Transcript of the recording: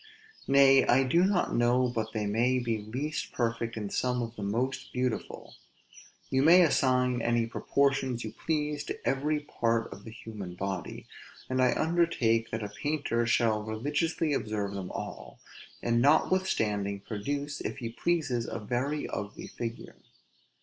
Nay, I do not know but they may be least perfect in some of the most beautiful. You may assign any proportions you please to every part of the human body; and I undertake that a painter shall religiously observe them all, and notwithstanding produce, if he pleases, a very ugly figure.